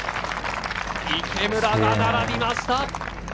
池村が並びました。